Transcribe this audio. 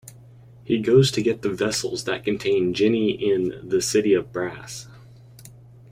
He goes to get the vessels that contain Jinni in "The City of Brass".